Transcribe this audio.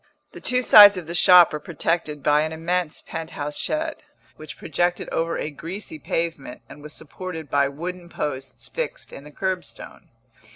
The two sides of the shop were protected by an immense pent house shed, which projected over a greasy pavement and was supported by wooden posts fixed in the curbstone.